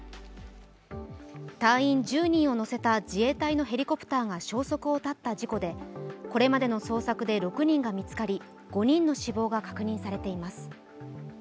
隊員１０人を乗せた自衛隊のヘリコプターが消息を絶った事故でこれまでの捜索で６人が見つかり、５人の死亡が確認されています。